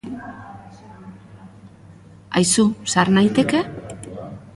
Aizu, sar naiteke?